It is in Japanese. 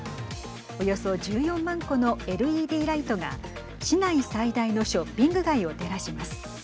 およそ１４万個のＬＥＤライトが市内最大のショッピング街を照らします。